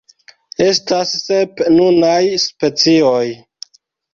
Estas sep nunaj specioj.